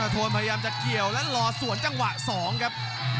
โทนพยายามจะเกี่ยวและรอสวนจังหวะ๒ครับ